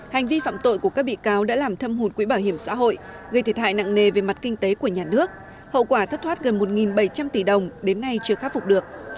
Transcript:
hành vi phạm tội của các bị cáo đã làm thâm hồn quỹ bảo hiểm xã hội gây thiệt hại nặng nề về mặt kinh tế của nhà nước hậu quả thất thoát gần một bảy trăm linh tỷ đồng đến nay chưa khắc phục được